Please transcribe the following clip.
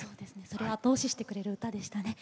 それを後押ししてくれる歌でしたね。